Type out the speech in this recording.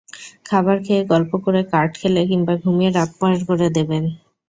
খাবার খেয়ে, গল্প করে, কার্ড খেলে কিংবা ঘুমিয়ে রাত পার করে দেবেন।